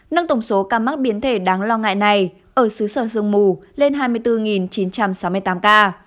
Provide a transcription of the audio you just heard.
nâng tổng số ca mắc biến thể đáng lo ngại này ở xứ sở sương mù lên hai mươi bốn chín trăm sáu mươi tám ca